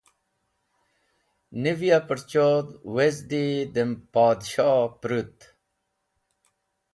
niv ya pũrchodh wezdi dem Podshoh pũrũt.